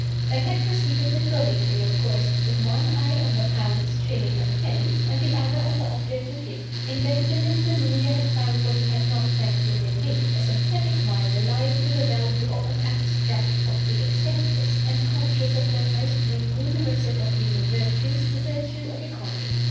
They had proceeded methodically, of course, with one eye on the pounds, shillings, and pence, and the other on the object in view. In Benjamin, the lawyer had found what he had not met with in me a sympathetic mind, alive to the value of "an abstract of the expenses," and conscious of that most remunerative of human virtues, the virtue of economy.